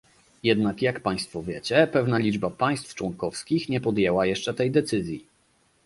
Jednak jak państwo wiecie, pewna liczba państw członkowskich nie podjęła jeszcze tej decyzji